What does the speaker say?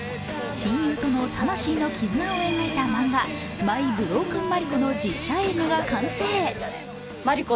親友との魂の絆を描いた「マイ・ブロークン・マリコ」の実写映画が完成。